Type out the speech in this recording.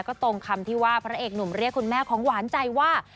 ก็ตรงคำที่ว่าพระเอกหนุ่มเรียกคุณแม่ของหวานใจว่า